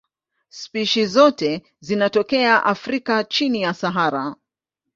Spishi zote zinatokea Afrika chini ya Sahara.